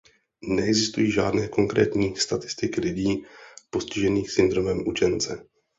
Neexistují žádné konkrétní statistiky lidí postižených syndromem učence.